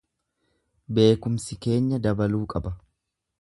Beekumsi keenya dabaluu qaba.